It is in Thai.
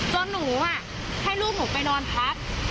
หนูให้ลูกหนูไปนอนพัก